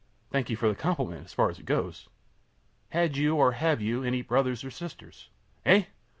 Q. Thank you for the compliment, as far as it goes. Had you, or have you, any brothers or sisters? A. Eh!